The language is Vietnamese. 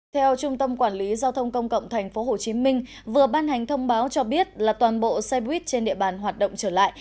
theo trung tâm quản lý giao thông công cộng tp hcm vừa ban hành thông báo cho biết là toàn bộ xe buýt trên địa bàn hoạt động trở lại